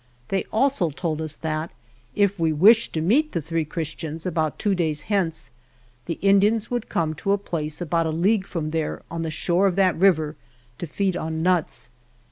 They also told us that, if we wished to meet the three Christians about two days hence, the Indians would come to a place about a league from there on the shore of that river to feed on nuts.